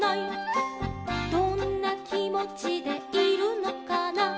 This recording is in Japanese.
「どんなきもちでいるのかな」